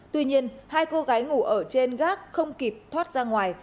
tuy nhiên hai cô gái ngủ ở trên gác không kịp thoát ra ngoài